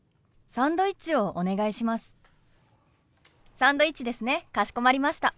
サンドイッチですねかしこまりました。